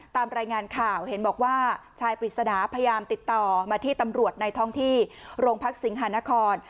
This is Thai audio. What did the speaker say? ตามรายงานข่าวเห็นบอกว่าชายปริศนาพยายามติดต่อมาที่ตำรวจในท้องที่โรงพักสิงหานคร